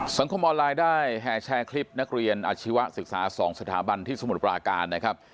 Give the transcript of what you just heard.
สังคมออนไลน์ได้แห่แชร์คลิปนักเรียนอาชีวศึกษา๒สถาบันที่สมุทรปราการนะครับ